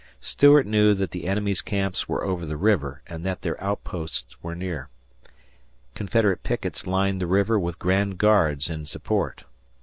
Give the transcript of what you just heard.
Stuart knew that the enemy's camps were over the river, and that their outposts were near. Confederate pickets lined the river with grand guards in support.